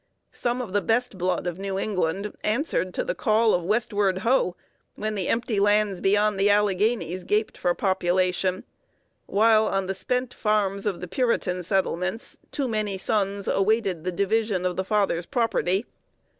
Some of the best blood of New England answered to the call of "Westward ho!" when the empty lands beyond the Alleghanies gaped for population, while on the spent farms of the Puritan settlements too many sons awaited the division of the father's property.